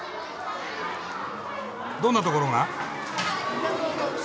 どんなところが？